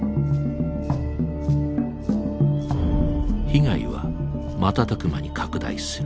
被害は瞬く間に拡大する。